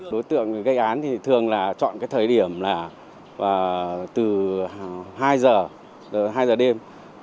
đối tượng gây án thì thường là chọn cái thời điểm là từ hai giờ hai giờ đêm